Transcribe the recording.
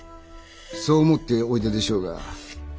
そう思っておいででしょうが。